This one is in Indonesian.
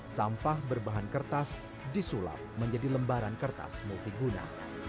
sampah berbahan kertas disulap menjadi lembaran kertas multi guna